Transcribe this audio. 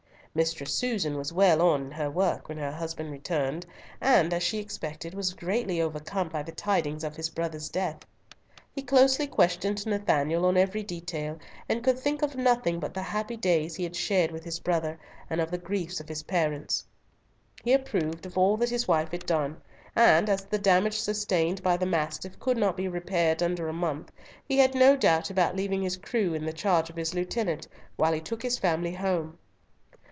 Mistress Susan was well on in her work when her husband returned, and as she expected, was greatly overcome by the tidings of his brother's death. He closely questioned Nathanael on every detail, and could think of nothing but the happy days he had shared with his brother, and of the grief of his parents. He approved of all that his wife had done; and as the damage sustained by the Mastiff could not be repaired under a month, he had no doubt about leaving his crew in the charge of his lieutenant while he took his family home.